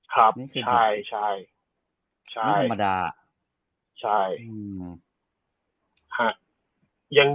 ใช่ใช่ใช่ใช่